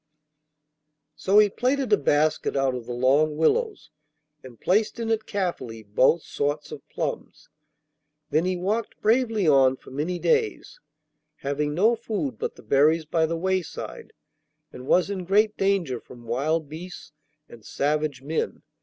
So he plaited a basket out of the long willows, and placed in it carefully both sorts of plums. Then he walked bravely on for many days, having no food but the berries by the wayside, and was in great danger from wild beasts and savage men.